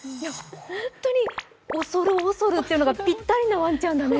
本当に恐る恐るっていうのがピッタリなワンちゃんだね。